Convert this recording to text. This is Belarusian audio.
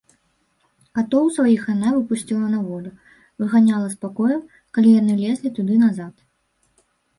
Катоў сваіх яна выпусціла на волю, выганяла з пакояў, калі яны лезлі туды назад.